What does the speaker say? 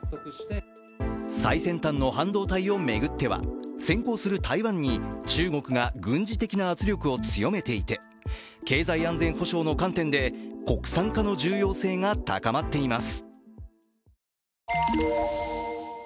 最先端の半導体を巡っては先行する台湾に中国が軍事的な圧力を強めていて経済安全保障の観点で、国産化の重要性が高まっています。